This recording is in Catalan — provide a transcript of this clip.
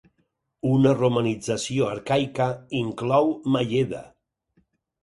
Una romanització arcaica inclou Mayeda.